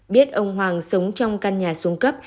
biết ông hoàng sống trong căn nhà xuống cấp